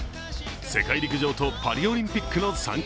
世界陸上とパリオリンピックの参加